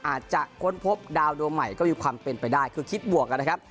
อาจจะค้นพบดาวดวงใหม่ก็มีความเป็นไปได้คือคิดบวกกันนะครับ